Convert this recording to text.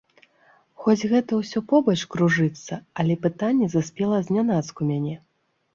Хоць гэта ўсё побач кружыцца, але пытанне заспела знянацку мяне.